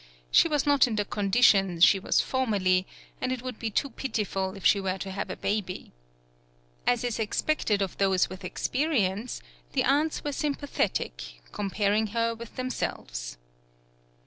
She was not in the condition she was for merly, and it would be too pitiful if she were to have a baby. As is expected of those with experience, the aunts were sympathetic, comparing her with them selves.